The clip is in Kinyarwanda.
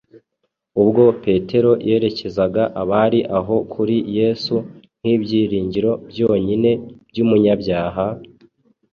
Ubwo Petero yerekezaga abari aho kuri Yesu nk’ibyiringiro byonyine by’umunyabyaha,